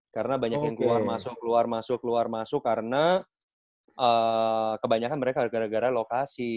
karena banyak yang keluar masuk keluar masuk keluar masuk karena kebanyakan mereka gara gara lokasi